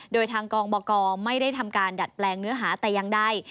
โดยทางกองบกไม่ได้ทำการดัดแปลงเนื้อหาแต่อย่างใด